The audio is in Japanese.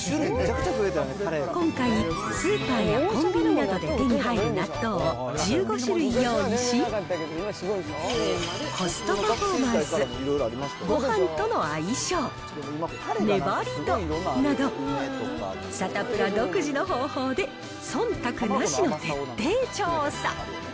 今回、スーパーやコンビニなどで手に入る納豆を１５種類用意し、コストパフォーマンス、ごはんとの相性、粘り度など、サタプラ独自の方法でそんたくなしの徹底調査。